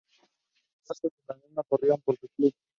Los gastos de la misma corrieron por parte del club.